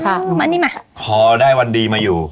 ตาสองสี่ค่ะอื้มมั่นนี่มั้ยค่ะคอได้วันดีมาอยู่